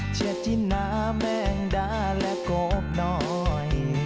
เชษที่หนาแม่งดาร์และกบหน่อย